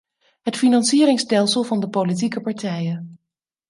Het financieringsstelsel van de politieke partijen.